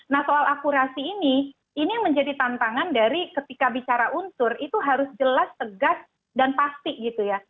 nah soal akurasi ini ini yang menjadi tantangan dari ketika bicara unsur itu harus jelas tegas dan pasti gitu ya